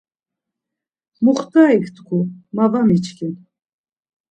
Muxtarik tku, ma var miçkin.